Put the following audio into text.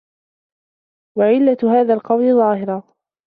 وَعِلَّةُ هَذَا الْقَوْلِ ظَاهِرَةٌ